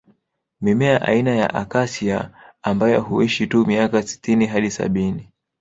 Mimea aina ya Acacia ambayo huishi tu miaka sitini hadi sabini